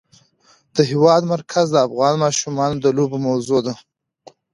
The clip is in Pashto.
د هېواد مرکز د افغان ماشومانو د لوبو موضوع ده.